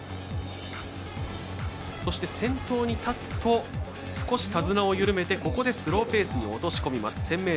そして、先頭に立つと少し手綱を緩めてここでスローペースに落とし込みます。